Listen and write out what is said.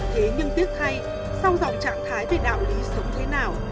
thế nhưng tiếc hay sau dòng trạng thái về đạo lý sống thế nào